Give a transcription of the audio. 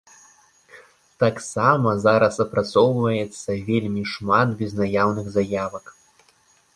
Таксама зараз апрацоўваецца вельмі шмат безнаяўных заявак.